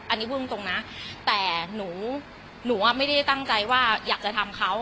อันนี้พูดตรงนะแต่หนูไม่ได้ตั้งใจว่าอยากจะทำเขา